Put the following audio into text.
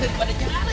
dari mana jalan